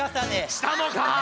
したもか。